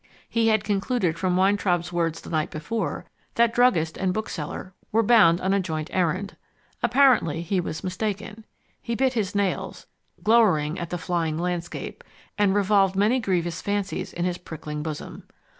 He had concluded from Weintraub's words the night before that druggist and bookseller were bound on a joint errand. Apparently he was mistaken. He bit his nails, glowered at the flying landscape, and revolved many grievous fancies in his prickling bosom.